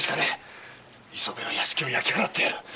磯部の屋敷を焼き払ってやる！